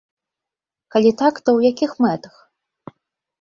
Калі так, то ў якіх мэтах?